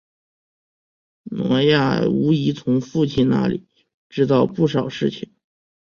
挪亚无疑从父亲那里知道不少事情。